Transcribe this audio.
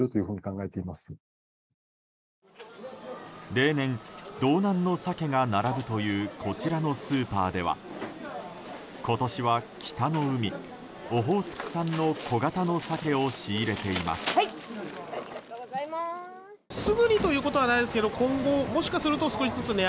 例年、道南のサケが並ぶというこちらのスーパーでは今年は北の海、オホーツク産の小型のサケを仕入れています。